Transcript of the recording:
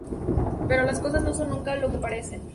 Pero las cosas no son nunca lo que parecen.